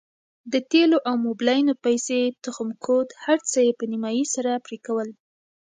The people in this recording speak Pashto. د تېلو او موبلينو پيسې تخم کود هرڅه يې په نيمايي سره پرې کول.